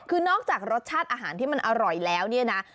คือนอกจากรสชาติอาหารที่มันอร่อยแล้วเนี่ยนะ